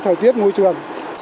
thời tiết môi trường